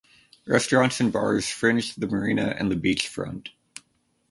Restaurants and bars fringe the marina and the beach front.